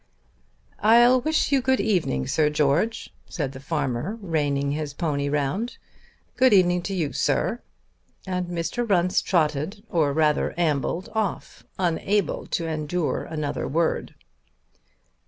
"I'll wish you good evening, Sir George," said the farmer, reining his pony round. "Good evening to you, sir." And Mr. Runce trotted or rather ambled off, unable to endure another word.